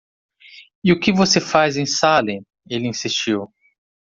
"E o que você faz em Salem?" ele insistiu.